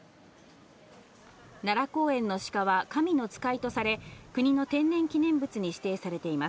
奈良公園のシカは神の使いとされ、国の天然記念物に指定されています。